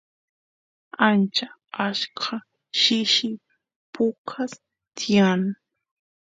ancha achka shishi pukas tiyan